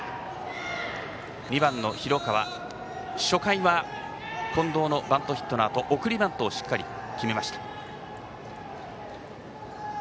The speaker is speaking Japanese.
２番の廣川、初回は近藤のバントヒットのあと送りバントをしっかり決めました。